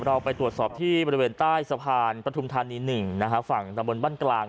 เราไปตรวจสอบที่บริเวณใต้สะพานปฐุมธานี๑นะฮะฝั่งตะบนบ้านกลาง